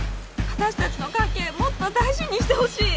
私たちの関係もっと大事にしてほしい！